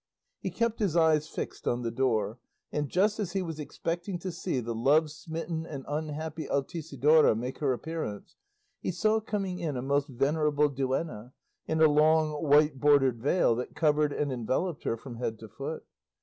He kept his eyes fixed on the door, and just as he was expecting to see the love smitten and unhappy Altisidora make her appearance, he saw coming in a most venerable duenna, in a long white bordered veil that covered and enveloped her from head to foot.